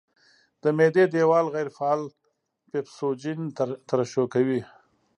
د معدې دېوال غیر فعال پیپسوجین ترشح کوي.